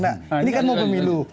nah ini kan mau pemilu